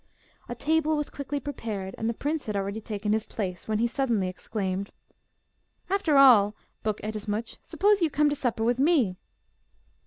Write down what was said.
A table was quickly prepared, and the prince had already taken his place, when he suddenly exclaimed, 'After all, Buk Ettemsuch, suppose you come to supper with me?